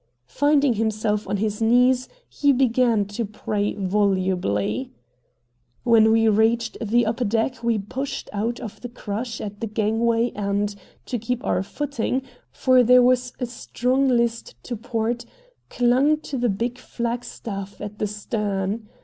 Finding himself on his knees, he began to pray volubly. When we reached the upper deck we pushed out of the crush at the gangway and, to keep our footing, for there was a strong list to port, clung to the big flag staff at the stern.